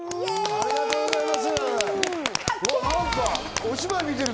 ありがとうございます。